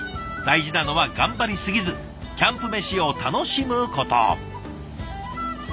大事なのは頑張り過ぎずキャンプメシを楽しむこと。